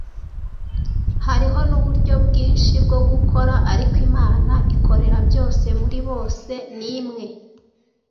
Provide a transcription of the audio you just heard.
Hariho n’uburyo bwinshi bwo gukora, ariko Imana ikorera byose muri bose ni imwe